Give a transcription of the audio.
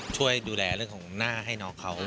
ช่วยดูแลเรื่องของหน้าให้น้องเขา